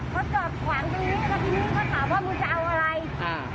เขาจอดขวางตรงนี้แล้วทีนี้เขาถามว่ามึงจะเอาอะไรอ่า